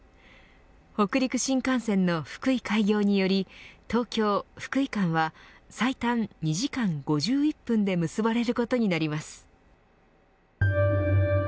北陸新幹線の福井開業により東京、福井間は最短２時間５１分で結ばれることになります。